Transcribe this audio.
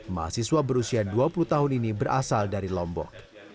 mahasiswa berusia dua puluh tahun ini berasal dari lombok